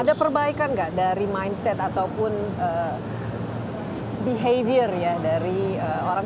ada perbaikan tidak dari mindset ataupun behavior dari orang